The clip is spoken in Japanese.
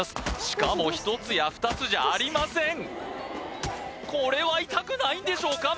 しかも１つや２つじゃありませんこれは痛くないんでしょうか？